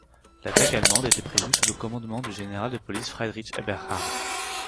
L'attaque allemande était prévue sous le commandement du général de police Friedrich Eberhardt.